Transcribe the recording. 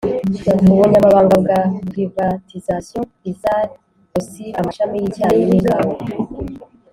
ubunyamabanga bwa privatisation, isar, ocir amashami y’icyayi n'ikawa,